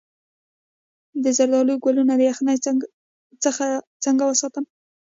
د زردالو ګلونه د یخنۍ څخه څنګه وساتم؟